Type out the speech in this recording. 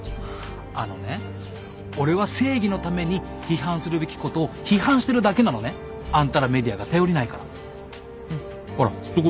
あのね俺は正義のために批判するべきことを批判してるだけなのね。あんたらメディアが頼りないから。